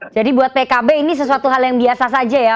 jadi buat pkb ini sesuatu hal yang biasa saja ya